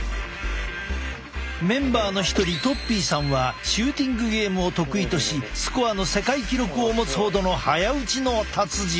メンバーの一人とっぴーさんはシューティングゲームを得意としスコアの世界記録を持つほどの早撃ちの達人。